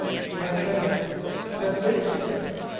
I trembled; I was ready to sink.